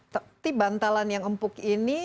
tapi bantalan yang empuk ini